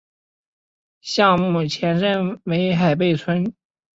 项目前身为海坝村。